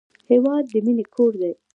هېواد د مینې کور دی.